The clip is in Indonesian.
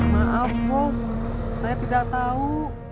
maaf bos saya tidak tahu